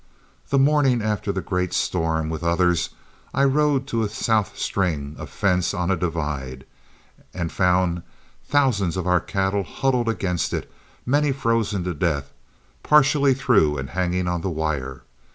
The morning after the great storm, with others, I rode to a south string of fence on a divide, and found thousands of our cattle huddled against it, many frozen to death, partially through and hanging on the wire.